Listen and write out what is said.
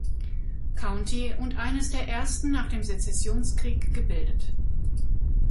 County und eines der ersten nach dem Sezessionskrieg gebildet.